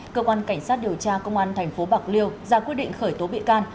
cơ quan cảnh sát điều tra công an tp bạc liêu ra quyết định khởi tố bị can